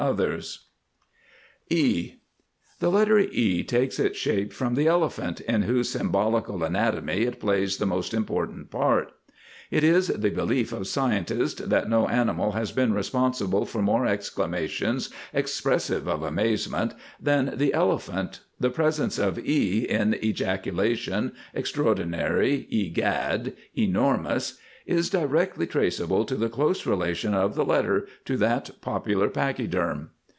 [Illustration: THE TYPIST] E [Illustration: E] The letter E takes its shape from the Elephant, in whose symbolical anatomy it plays the most important part. It is the belief of scientists that no animal has been responsible for more exclamations expressive of amazement than the Elephant, the presence of "E" in E jaculation, E xtraordinary, E gad, E normous, is directly traceable to the close relation of the letter to that popular pachyderm.